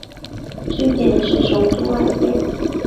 据点是首都艾尔甸。